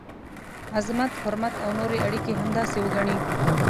عزت، حرمت او نورې اړیکي همداسې وګڼئ.